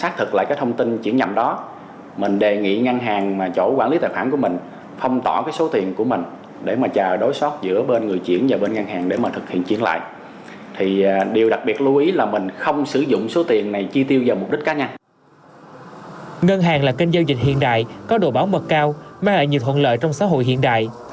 có độ bảo mật cao mang lại nhiều thuận lợi trong xã hội hiện đại